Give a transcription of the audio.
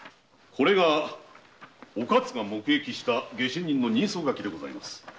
これがお勝が目撃した下手人の人相書きです。